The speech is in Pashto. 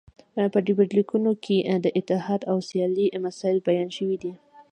په ډبرلیکونو کې د اتحاد او سیالۍ مسایل بیان شوي دي